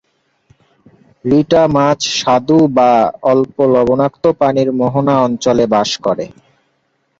রিটা মাছ স্বাদু বা অল্প লবণাক্ত পানির মোহনা অঞ্চলে বাস করে।